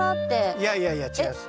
いやいやいや違います。